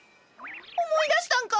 おもいだしたんか？